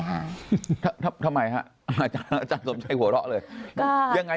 ทำไมฮะอาจารย์อาจารย์สมชัยหัวเราะเลย